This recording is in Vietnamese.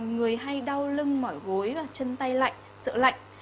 người hay đau lưng mỏi gối và chân tay lạnh sợ lạnh